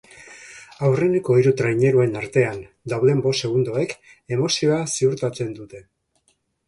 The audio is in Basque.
Aurreneko hiru traineruen artean dauden bost segundoek emozioa ziurtatzen dute.